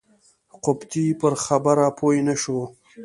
قبطي پر خبره پوی نه شو.